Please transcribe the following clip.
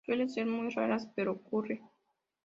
Suele ser muy raras, pero ocurre.